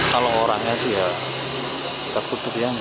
hai kalau orangnya sih ya terkutuk yang